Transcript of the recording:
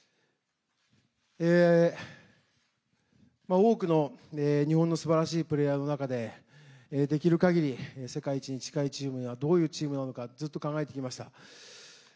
多くの日本のすばらしいプレーヤーの中でできるかぎり世界一に近いチームはどういうチームなのかずっと考えてきました。